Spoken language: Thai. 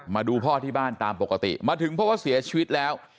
มาดูพ่อที่บ้านตามปกติมาถึงเพราะว่าเสียชีวิตแล้ว